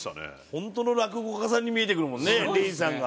本当の落語家さんに見えてくるもんね礼二さんが。